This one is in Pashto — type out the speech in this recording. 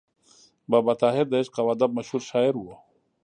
بابا طاهر د عشق او ادب مشهور شاعر و.